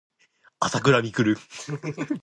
あさくらみくる